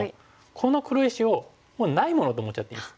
この黒石をもうないものと思っちゃっていいです。